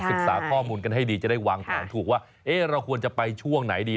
ศึกษาข้อมูลกันให้ดีจะได้วางแผนถูกว่าเราควรจะไปช่วงไหนดี